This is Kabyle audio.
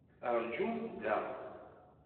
Rǧum da!